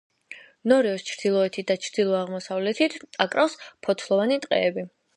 ნორიოს ჩრდილოეთით და ჩრდილო-აღმოსავლეთით აკრავს ფოთლოვანი ტყეები.